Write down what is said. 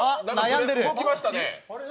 そうきましたね。